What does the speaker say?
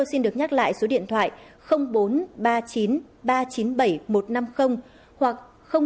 số điện thoại bốn trăm ba mươi chín ba trăm chín mươi bảy một trăm năm mươi hoặc chín trăm bảy mươi bốn một trăm một mươi bốn năm trăm năm mươi sáu